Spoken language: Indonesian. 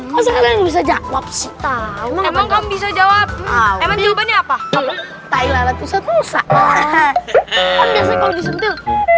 masa trio bemo itu jawaban paling kecil gampang